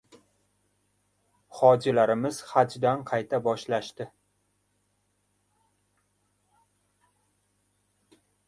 Hojilarimiz hajdan qayta boshlashdi